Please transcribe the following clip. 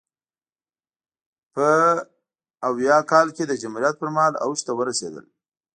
په ویا اویا کال کې د جمهوریت پرمهال اوج ته ورسېدل.